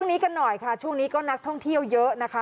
นี้กันหน่อยค่ะช่วงนี้ก็นักท่องเที่ยวเยอะนะคะ